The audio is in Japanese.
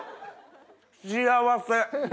幸せ。